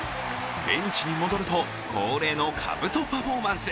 ベンチに戻ると恒例のかぶとパフォーマンス。